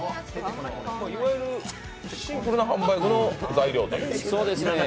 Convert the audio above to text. いわゆるシンプルなハンバーグの材料という。